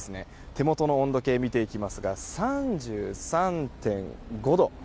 手元の温度計を見ていきますと３３．５度。